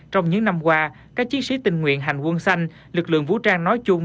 trong những năm qua các chiến sĩ tình nguyện hành quân xanh lực lượng vũ trang nói chung